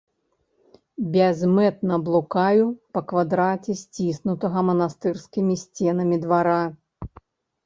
Бязмэтна блукаю па квадраце сціснутага манастырскімі сценамі двара.